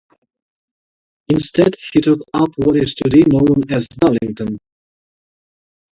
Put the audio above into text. Instead he took up what is today known as Darlington.